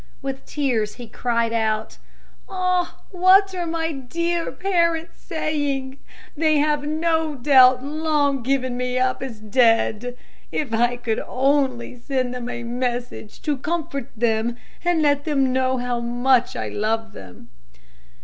With tears he cried out, "Ah! what are my dear parents saying? They have no doubt long given me up as dead. If I could only send them a message to comfort them and let them know how much I love them!"